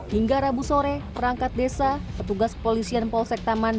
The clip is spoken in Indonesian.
hingga rabu sore perangkat desa petugas kepolisian polsek taman